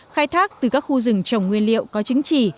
khai thác từ các khu rừng trồng nguyên liệu có chứng chỉ